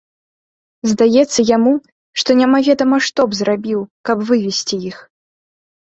Здаецца яму, што немаведама што б зрабіў, каб вывесці іх.